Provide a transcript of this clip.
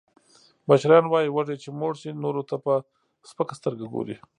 مشران وایي: وږی چې موړ شي، نورو ته په سپکه سترګه ګوري.